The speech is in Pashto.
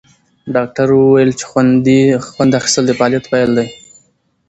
ډاکټره وویل چې خوند اخیستل د فعالیت پیل دی.